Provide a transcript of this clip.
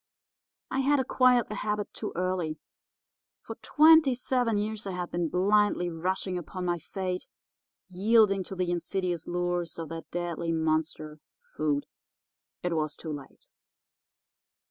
I had acquired the habit too early. For twenty seven years I had been blindly rushing upon my fate, yielding to the insidious lures of that deadly monster, food. It was too late.